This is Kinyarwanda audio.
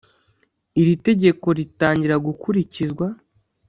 Iri tegeko ritangira gukurikizwa